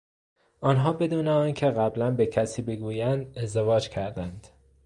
آنها بدون آنکه قبلا به کسی بگویند ازدواج کردند.